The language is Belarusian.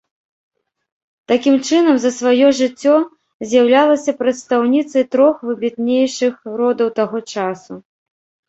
Такім чынам за сваё жыццё, з'яўлялася прадстаўніцай трох выбітнейшых родаў таго часу.